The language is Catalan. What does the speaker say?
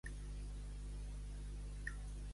Qui no sap de parlar, el pengen sense culpa.